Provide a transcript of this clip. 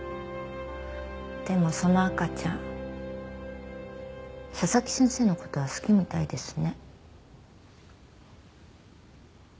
でもその赤ちゃん佐々木先生の事は好きみたいですね。